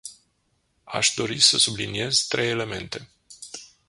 Aș dori să subliniez trei elemente.